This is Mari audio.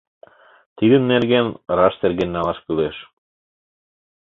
Тидын нерген раш терген налаш кӱлеш.